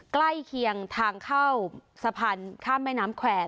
ใกล้เคียงทางเข้าสะพานข้ามแม่น้ำแขวน